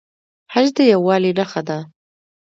حج د یووالي نښه ده